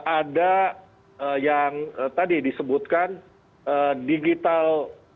ada yang tadi disebutkan digital